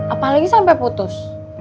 apalagi sampai putus